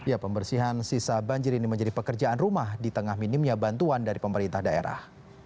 ya pembersihan sisa banjir ini menjadi pekerjaan rumah di tengah minimnya bantuan dari pemerintah daerah